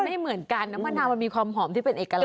ไม่เหมือนกันน้ำมะนาวมันมีความหอมที่เป็นเอกลัก